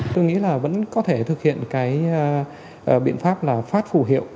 tôi nghĩ là vẫn có thể thực hiện cái biện pháp là phát phù hiệu